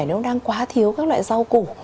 nếu đang quá thiếu các loại rau củ